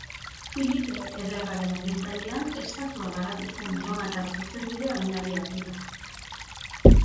Filipe Ederraren agintaldian estatua garatu zen erromatar zuzenbidea oinarri hartuta.